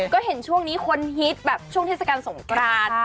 ก็เห็นช่วงนี้คนฮิตแบบช่วงเทศกาลสงกราน